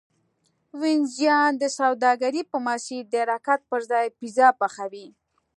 وینزیان د سوداګرۍ په مسیر د حرکت پرځای پیزا پخوي